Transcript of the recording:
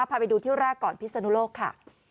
พาไปดูที่แรกก่อนพิศนุโลกค่ะ